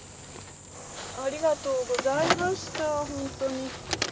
ありがとうございましたほんとに。